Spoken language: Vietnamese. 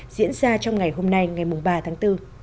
diễn ra trong ngày hôm nay ngày ba tháng bốn